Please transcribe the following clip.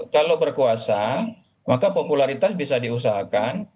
kalau berkuasa maka popularitas bisa diusahakan